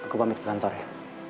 ma aku pamit ke kantor ya